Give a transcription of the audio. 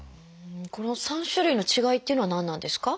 この３種類の違いっていうのは何なんですか？